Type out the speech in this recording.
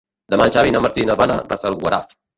Demà en Xavi i na Martina van a Rafelguaraf.